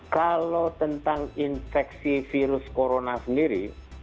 kalau tentang infeksi virus corona sendiri